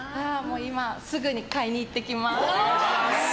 今、すぐに買いに行ってきます。